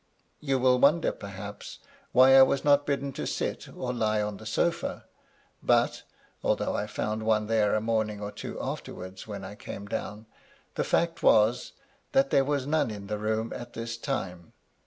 You will wonder, perhaps, why I was not bidden to sit or lie on the sofa; but (although I found one there a morning or two after wards, when I came down) the fact was, that there was none in the room at this time.